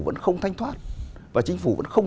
vẫn không thanh thoát và chính phủ vẫn không